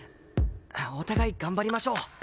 お互い頑張りましょう。